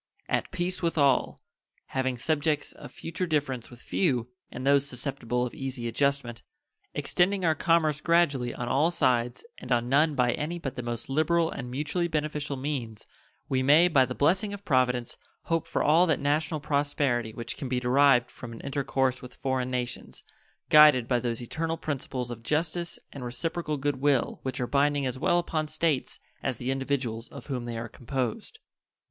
At peace with all; having subjects of future difference with few, and those susceptible of easy adjustment; extending our commerce gradually on all sides and on none by any but the most liberal and mutually beneficial means, we may, by the blessing of Providence, hope for all that national prosperity which can be derived from an intercourse with foreign nations, guided by those eternal principles of justice and reciprocal good will which are binding as well upon States as the individuals of whom they are composed.